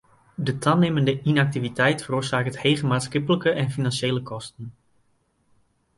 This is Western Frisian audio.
De tanimmende ynaktiviteit feroarsaket hege maatskiplike en finansjele kosten.